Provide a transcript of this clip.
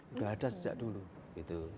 sudah ada sejak dulu